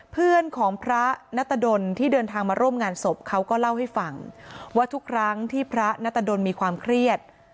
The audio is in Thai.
เพื่อนของพระนัตรดลที่เดินทางมาร่วมงานศพเขาก็เล่าให้ฟังว่าทุกครั้งที่พระนัตรดลมีความเครียด